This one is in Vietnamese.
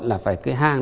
là phải cái hang